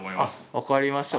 わかりました。